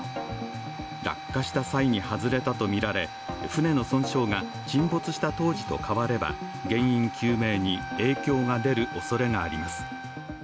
落下した際に外れたとみられ、船の損傷が沈没した当時と変われば原因究明に影響が出るおそれがあります。